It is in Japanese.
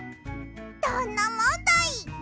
どんなもんだい！